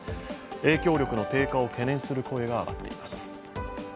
影響力の低下を懸念する声が上がっています。